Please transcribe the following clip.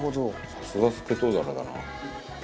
さすがスケソウダラだな。